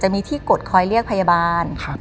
มีที่กดคอยเรียกพยาบาล